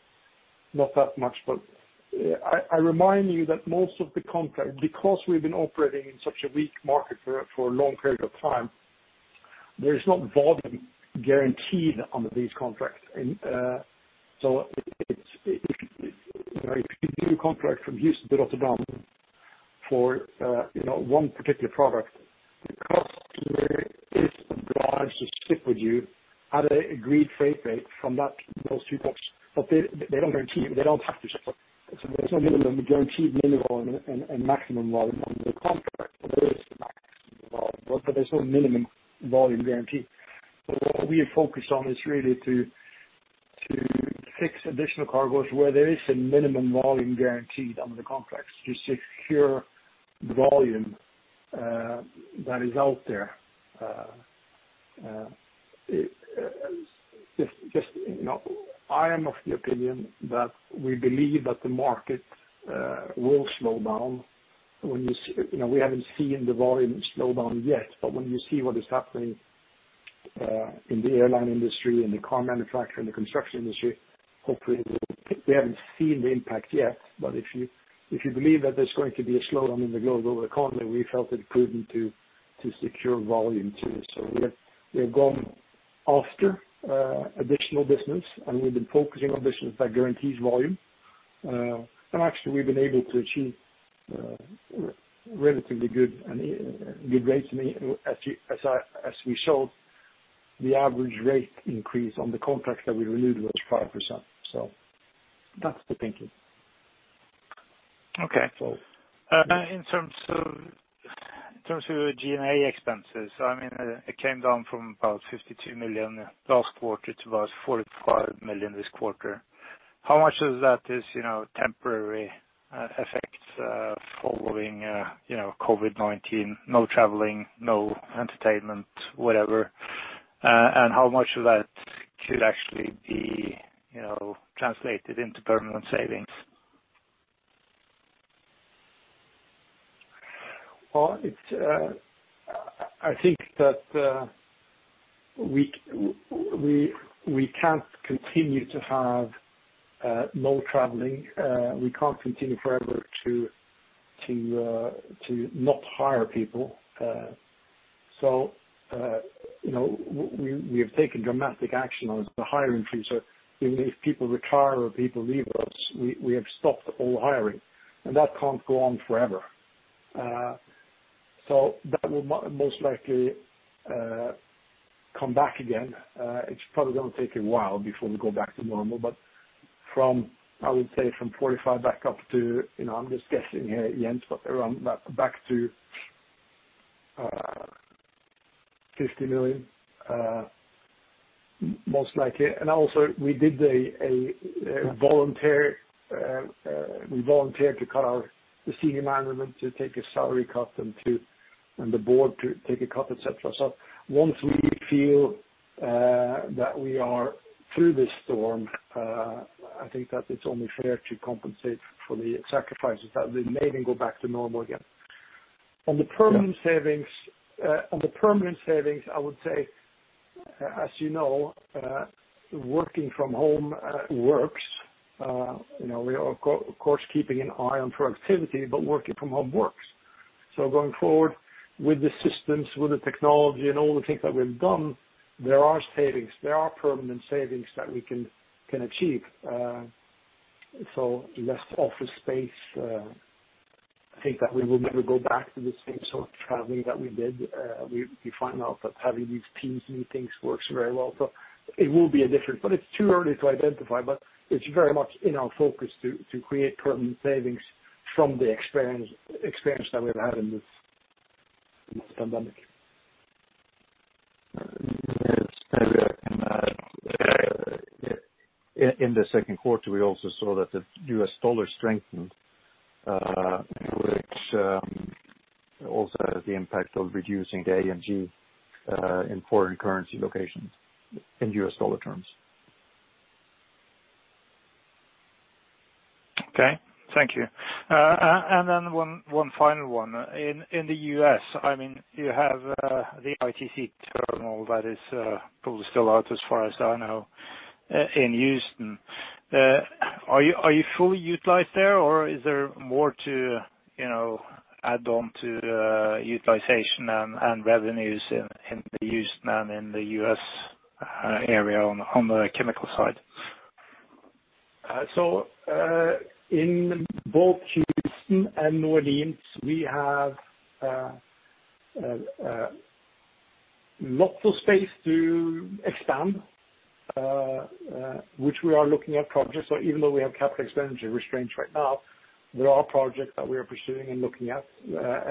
not that much. I remind you that most of the contract, because we've been operating in such a weak market for a long period of time, there is not volume guaranteed under these contracts. If you do a contract from Houston to Rotterdam for one particular product, the customer is obliged to stick with you at an agreed freight rate from those two ports. They don't guarantee you. They don't have to. There's no minimum guaranteed minimum and maximum volume under the contract. There is maximum volume, but there's no minimum volume guarantee. What we have focused on is really to fix additional cargoes where there is a minimum volume guaranteed under the contracts to secure volume that is out there. I am of the opinion that we believe that the market will slow down. When you see what is happening in the airline industry and the car manufacturer and the construction industry, hopefully, we haven't seen the impact yet. If you believe that there's going to be a slowdown in the global economy, we felt it prudent to secure volume too. We have gone after additional business and we've been focusing on business that guarantees volume. Actually, we've been able to achieve relatively good rates. As we showed, the average rate increase on the contracts that we renewed was 5%. That's the thinking. Okay. So. In terms of A&G expenses, it came down from about $52 million last quarter to about $45 million this quarter. How much of that is temporary effects following COVID-19? No traveling, no entertainment, whatever. How much of that could actually be translated into permanent savings? Well, I think that we can't continue to have no traveling. We can't continue forever to not hire people. We have taken dramatic action on the hiring freeze. If people retire or people leave us, we have stopped all hiring. That can't go on forever. That will most likely come back again. It's probably going to take a while before we go back to normal, but I would say from $45 million back up to, I'm just guessing here, Jens, but around back to $50 million, most likely. Also, we volunteered to cut our senior management to take a salary cut and the board to take a cut, et cetera. Once we feel that we are through this storm, I think that it's only fair to compensate for the sacrifices that we made and go back to normal again. On the permanent savings, I would say, as you know, working from home works. We are of course keeping an eye on productivity, but working from home works. Going forward with the systems, with the technology and all the things that we've done, there are savings, there are permanent savings that we can achieve. Less office space. I think that we will never go back to the same sort of traveling that we did. We find out that having these Teams meetings works very well. It will be different, but it's too early to identify, but it's very much in our focus to create permanent savings from the experience that we've had in this pandemic. Jens, maybe I can add. In the second quarter, we also saw that the US dollar strengthened, which also has the impact of reducing the A&G in foreign currency locations in US dollar terms. Okay. Thank you. Then one final one. In the U.S., you have the ITC terminal that is probably still out as far as I know, in Houston. Are you fully utilized there or is there more to add on to the utilization and revenues in the Houston and in the U.S. area on the chemical side? In both Houston and New Orleans, we have lots of space to expand, which we are looking at projects. Even though we have capital expenditure restraints right now, there are projects that we are pursuing and looking at,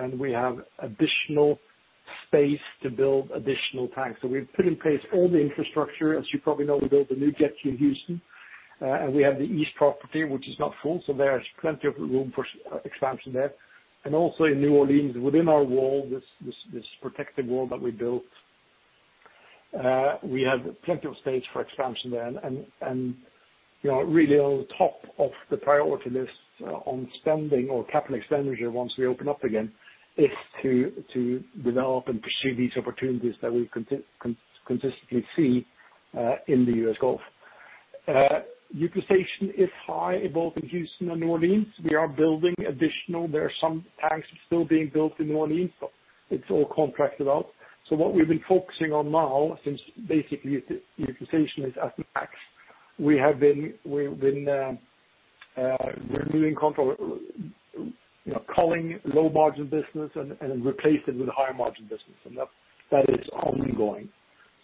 and we have additional space to build additional tanks. We've put in place all the infrastructure. As you probably know, we built a new jetty in Houston, and we have the East property, which is not full, so there is plenty of room for expansion there. Also in New Orleans, within our wall, this protected wall that we built, we have plenty of space for expansion there. Really on top of the priority list on spending or capital expenditure once we open up again, is to develop and pursue these opportunities that we consistently see in the U.S. Gulf. Utilization is high both in Houston and New Orleans. We are building additional. There are some tanks still being built in New Orleans, but it's all contracted out. What we've been focusing on now, since basically utilization is at max, we're doing control, culling low margin business and replace it with higher margin business. That is ongoing.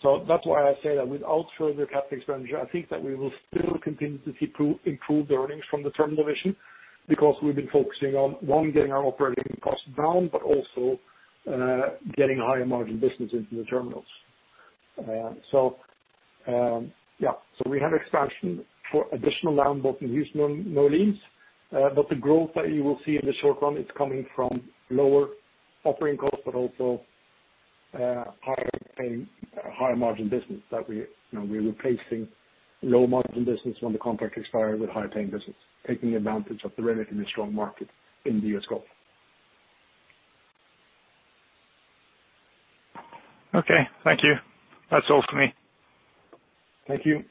That's why I say that without further capital expenditure, I think that we will still continue to see improved earnings from the terminal division, because we've been focusing on one, getting our operating costs down, but also getting higher margin business into the terminals. We have expansion for additional land, both in Houston and New Orleans. The growth that you will see in the short run, it's coming from lower operating costs, but also higher margin business that we're replacing low margin business when the contract expired with higher paying business, taking advantage of the relatively strong market in the U.S. Gulf. Okay. Thank you. That's all from me. Thank you.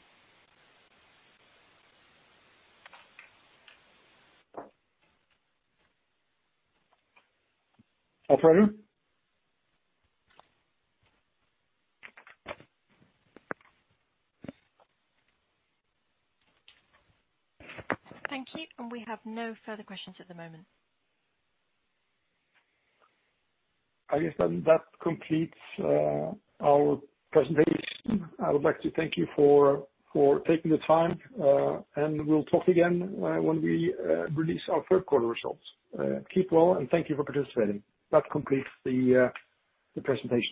Operator? Thank you. We have no further questions at the moment. I guess then that completes our presentation. I would like to thank you for taking the time, and we'll talk again when we release our third quarter results. Keep well, and thank you for participating. That completes the presentation.